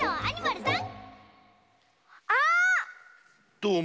どうも。